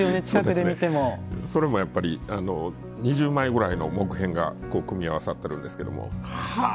それもやっぱり２０枚ぐらいの木片が組み合わさってるんですけど。